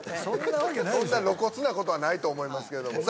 そんな露骨なことはないと思いますけど。